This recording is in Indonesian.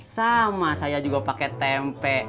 sama saya juga pakai tempe